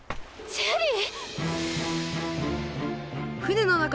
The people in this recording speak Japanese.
ジェリー。